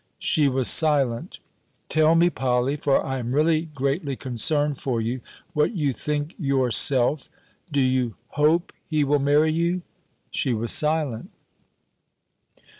She was silent. "Tell me, Polly (for I am really greatly concerned for you), what you think yourself; do you hope he will marry you?" She was silent.